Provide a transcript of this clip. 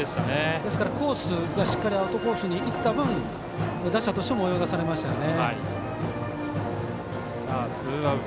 ですからコースがしっかりアウトコースにいった分打者としても泳がされましたね。